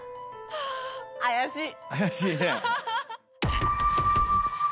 怪しいね。